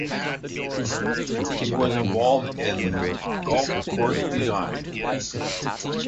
He was involved in golf course design.